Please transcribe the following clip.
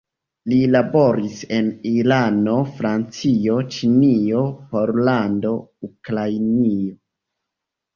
Li laboris en Irano, Francio, Ĉinio, Pollando, Ukrainio.